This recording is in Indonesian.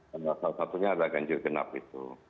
salah satunya adalah ganjil genap itu